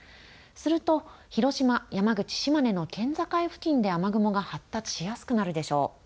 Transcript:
すると広島、山口、島根の県境付近で雨雲が発達しやすくなるでしょう。